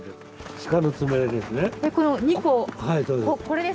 鹿の爪ですね。